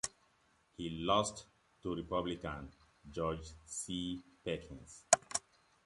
He lost to Republican George C. Perkins.